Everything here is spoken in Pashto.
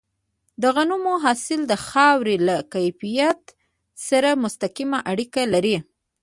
د غنمو حاصل د خاورې له کیفیت سره مستقیمه اړیکه لري.